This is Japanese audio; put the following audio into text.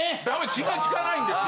気がつかないんですよ。